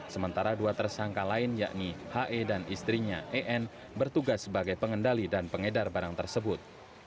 sementara dua tersangka lain yakni he dan istrinya en bertugas sebagai pengendali dan pengedar barang tersebut